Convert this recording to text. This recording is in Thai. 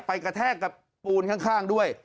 กระแทกกับปูนข้างด้วย